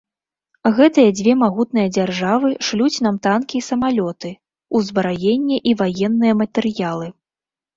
Гэтыя дзве магутныя дзяржавы шлюць нам танкі і самалёты, узбраенне і ваенныя матэрыялы.